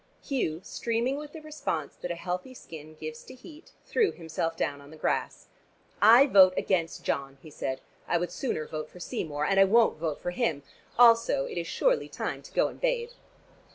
Hugh, streaming with the response that a healthy skin gives to heat, threw himself down on the grass. "I vote against John!" he said. "I would sooner vote for Seymour. And I won't vote for him. Also, it is surely time to go and bathe."